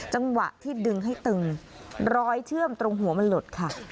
จังหวะที่ดึงให้ตึงรอยเชื่อมตรงหัวมันหลุดค่ะ